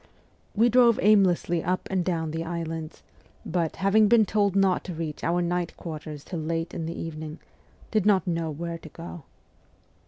We drove aimlessly up and down the islands, but, having been told not to reach our night quarters till late in the evening, did not know where to go.